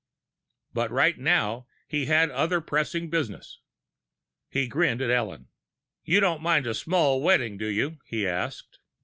But right now, he had other pressing business. He grinned at Ellen. "You don't mind a small wedding, do you?" he asked.